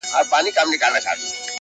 • له ذاته زرغونېږي لطافت د باران یو دی,